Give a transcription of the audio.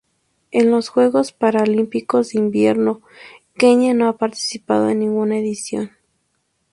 En los Juegos Paralímpicos de Invierno Kenia no ha participado en ninguna edición.